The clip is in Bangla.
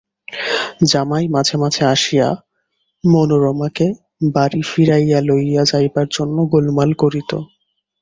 জামাই মাঝে মাঝে আসিয়া মনোরমাকে বাড়ি ফিরাইয়া লইয়া যাইবার জন্য গোলমাল করিত।